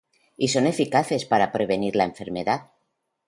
y son eficaces para prevenir la enfermedad